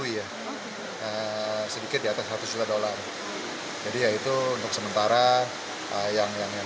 berikutnya menurut perkembangan perusahaan perusahaan yang diperlukan adalah pemasaran rekrutmen penjualan baru dan peningkatan teknologi